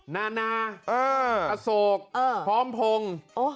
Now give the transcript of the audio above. นานาอโศกพร้อมพงศ์